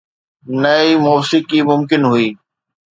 نه ئي موسيقي ممڪن آهي.